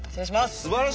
すばらしい。